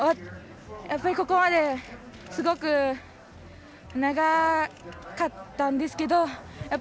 ここまですごく長かったんですけど。